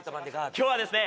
今日はですね